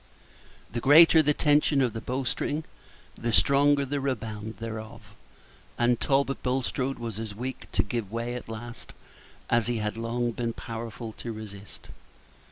The greater the tension of the bowstring, the stronger the rebound thereof; and Talbot Bulstrode was as weak to give way at last as he had long been powerful to resist.